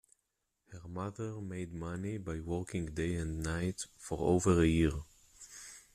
Her mother made money by working day and night for over a year